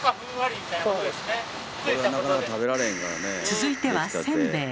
続いてはせんべい。